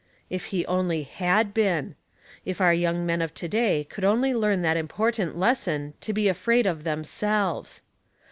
If he only had been ! If our young men of to day could only learn that important lesson to be afraid of themselves.